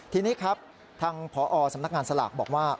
ทีนี้ครับทางพอสำนักงานสลากบอกว่า